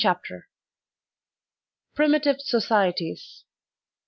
CHAPTER II. Primitive Societies.